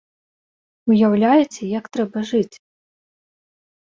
Уяўляеце, як трэба жыць?